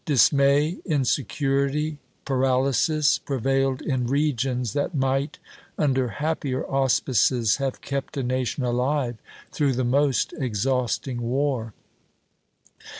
Dismay, insecurity, paralysis, prevailed in regions that might, under happier auspices, have kept a nation alive through the most exhausting war.